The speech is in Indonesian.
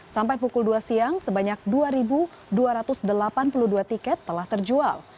sampai pukul dua siang sebanyak dua dua ratus delapan puluh dua tiket telah terjual